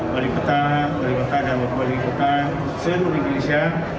wali kota wali kota dan wali kota seluruh indonesia